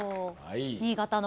新潟の。